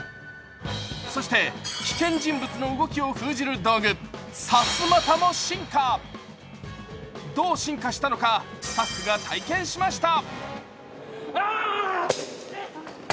そして、危険人物の動きを封じる道具、さすまたも進化、どう進化したのかスタッフが体験しました。